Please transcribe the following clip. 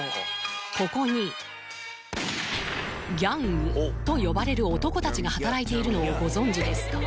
ここにギャングと呼ばれる男達が働いているのをご存じですか？